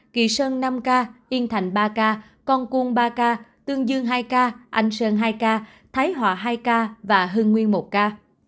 kỳ sơn năm ca yên thành ba ca con cuông ba ca tương dương hai ca anh sơn hai ca thái họa hai ca hương nguyên một ca